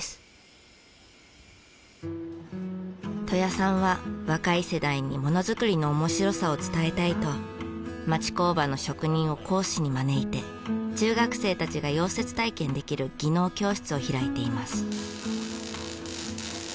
戸屋さんは若い世代にものづくりの面白さを伝えたいと町工場の職人を講師に招いて中学生たちが溶接体験できる技能教室を開いています。